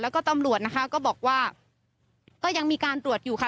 แล้วก็ตำรวจนะคะก็บอกว่าก็ยังมีการตรวจอยู่ค่ะ